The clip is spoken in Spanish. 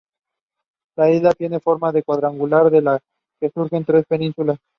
La isla tiene forma cuadrangular, de la que surgen tres penínsulas.